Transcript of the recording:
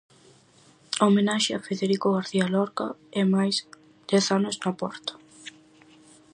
Homenaxe a Federico García Lorca, e mais Dez anos na porta.